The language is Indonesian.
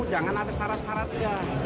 jangan ada syarat syaratnya